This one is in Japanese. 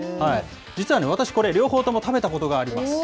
実は、私両方とも食べたことがあります。